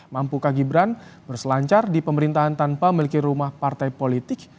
mampukah gibran berselancar di pemerintahan tanpa memiliki rumah partai politik